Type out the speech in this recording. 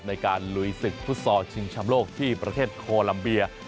ในการลุยศึกฟุตซอลชิงชำโลกที่ประเทศโคลัมเบีย